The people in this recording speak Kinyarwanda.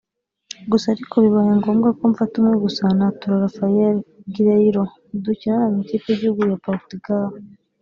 gusa ariko bibaye ngombwa ko mfata umwe gusa natora Raphael Guerreiro dukinana mu ikipe y’igihugu ya Portugal